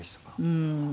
うん。